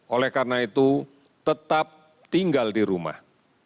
oleh karena itu tetap tinggal di rumah